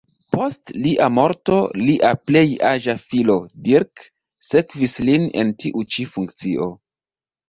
Post lia morto lia plej aĝa filo, Dirk, sekvis lin en tiu ĉi funkcio.